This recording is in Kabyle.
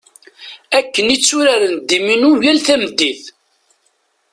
Akken i tturaren ddiminu tal tameddit.